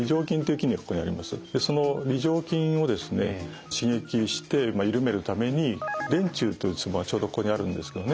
その梨状筋をですね刺激して緩めるために臀中というツボがちょうどここにあるんですけどね。